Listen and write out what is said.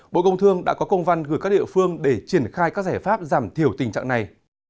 bộ công thương đã có công văn gửi các địa phương để triển khai các giải pháp giảm thiểu tình trạng này